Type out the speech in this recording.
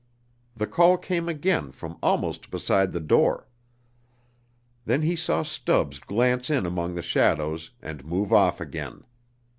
The call came again from almost beside the door. Then he saw Stubbs glance in among the shadows and move off again.